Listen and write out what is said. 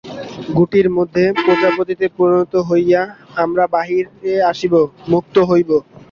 গুটির মধ্যে প্রজাপতিতে পরিণত হইয়া আমরা বাহিরে আসিব, মুক্ত হইব।